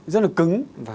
rất là cứng